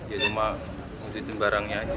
ya cuma ngujutin barangnya aja